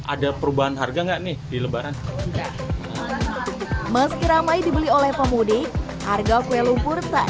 ada perubahan harga enggak nih di lebaran meski ramai dibeli oleh pemudik harga kue lumpur tak